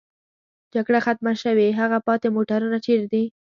جګړه ختمه شوې، هغه پاتې موټرونه چېرې دي؟